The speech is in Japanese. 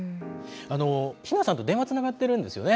ひなさんと電話つながってるんですよね。